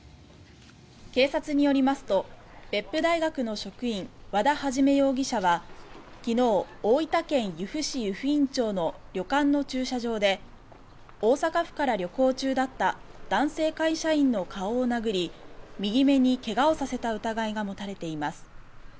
警察によりますと別府大学の職員、和田一容疑者は大分県由布市湯布院町の旅館の駐車場で大阪府から旅行中だった男性会社員の顔を殴り右目に怪我をさせた疑いが持たれています。